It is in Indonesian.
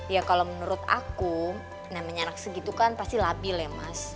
ya kalau menurut aku namanya anak segitu kan pasti labil ya mas